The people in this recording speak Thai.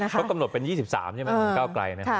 เขากำหนดเป็น๒๓ใช่ไหมของก้าวไกลนะ